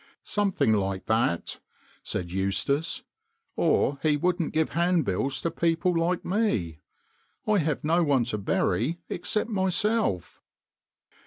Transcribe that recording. " Something like that," said Eustace, " or he wouldn't give handbills to people like me. I have no one to bury except myself."